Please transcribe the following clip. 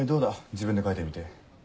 自分で描いてみて。